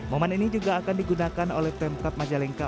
momen ini juga akan digunakan oleh pemkap majalengka